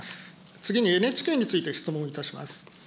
次に、ＮＨＫについて質問いたします。